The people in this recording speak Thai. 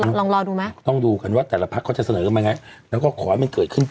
ข้อมูลล่ะ